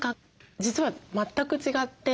実は全く違って。